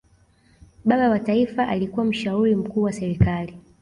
baba wa taifa alikuwa mshauri mkuu wa serikali